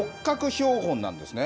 標本なんですね。